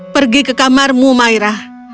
pergi ke kamarmu maira